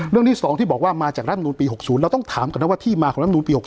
เรื่องที่๒ที่บอกว่ามาจากรัฐมนูลปี๖๐เราต้องถามก่อนนะว่าที่มาของรัฐมนูลปี๖๐